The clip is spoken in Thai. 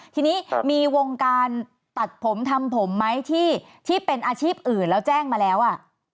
ทีนี้มีวงการตัดผมทำผมไหมที่เป็นอาชีพอื่นแล้วแจ้งมาแล้วอ่ะ